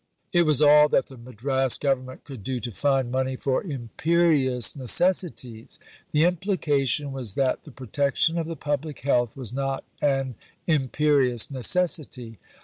It was all that the Madras Government could do to find money for "imperious necessities." The implication was that the protection of the public health was not an imperious necessity.